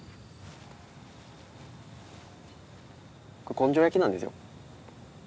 根性焼きなんですよ。